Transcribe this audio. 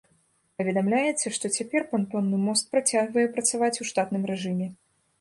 Паведамляецца, што цяпер пантонны мост працягвае працаваць у штатным рэжыме.